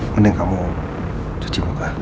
mending kamu cuci muka